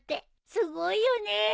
すごいよね。